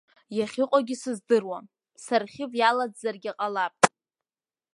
Иахьыҟоугьы сыздыруам, сархив иалаӡзаргьы ҟалап.